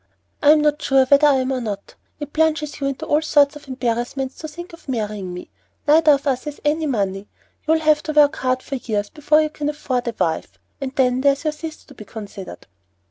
"I'm not sure whether I am or not. It plunges you into all sorts of embarrassments to think of marrying me. Neither of us has any money. You'll have to work hard for years before you can afford a wife, and then there's your sister to be considered."